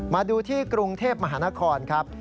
มาดูที่กรุงเทพมหานครครับ